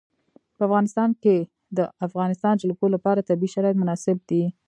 په افغانستان کې د د افغانستان جلکو لپاره طبیعي شرایط مناسب دي.